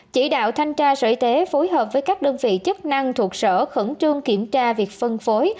chỉ đạo thanh tra sở y tế phối hợp với các đơn vị chức năng thuộc sở khẩn trương kiểm tra việc phân phối